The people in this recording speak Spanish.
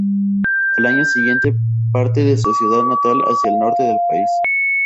Al año siguiente parte de su ciudad natal hacia el norte del país.